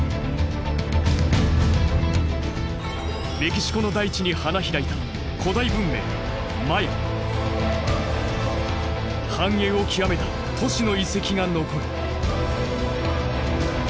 メキシコの大地に花開いた繁栄を極めた都市の遺跡が残る。